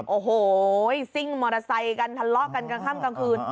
โอ้โหซิ่งมอเตอร์ไซค์กันทะเลาะกันกลางค่ำกลางคืน